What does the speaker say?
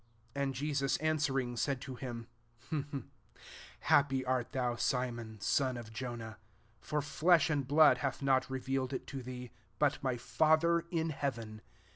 17 And Jesus answering, said to him, <* Happy art thout Simon, son of Jonah : for flesh and blood hath not revealed it to thee, but my Father in hea ven.